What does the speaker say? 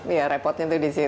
iya repotnya tuh di situ